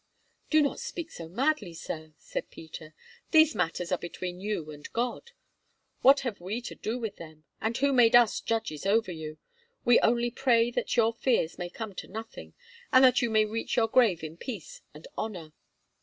"Do not speak so madly, Sir," said Peter; "these matters are between you and God. What have we to do with them, and who made us judges over you? We only pray that your fears may come to nothing, and that you may reach your grave in peace and honour."